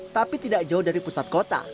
tapi tidak jauh dari pusat kota